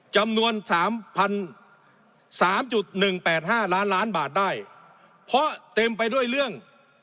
จำนวนสามพันสามจุดหนึ่งแปดห้าล้านล้านบาทได้เพราะเต็มไปด้วยเรื่อง